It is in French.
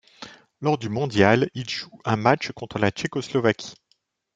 Lors du mondial, il joue un match contre la Tchécoslovaquie.